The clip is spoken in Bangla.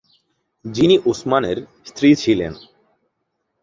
যিনি উসমানের স্ত্রী ছিলেন।